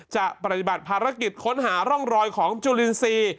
จะปฏิบัติภารกิจค้นหาร่องรอยของจุลินทรีย์